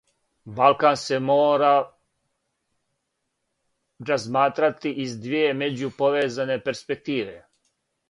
Балкан се мора разматрати из две међуповезане перспективе.